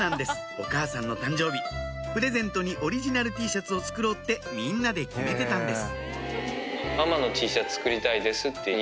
お母さんの誕生日プレゼントにオリジナルＴシャツを作ろうってみんなで決めてたんです